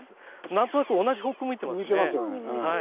何となく同じ方向向いてますね。